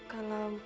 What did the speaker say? nah kalau pak sarif